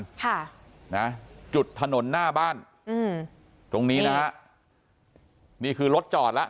ค่ะนะจุดถนนหน้าบ้านอืมตรงนี้นะฮะนี่คือรถจอดแล้ว